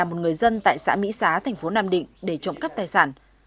một người dân tại xã mỹ xá thành phố nam định để trộm cắp tài sản